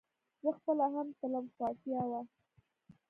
زه خپله هم تلم خو اړتيا وه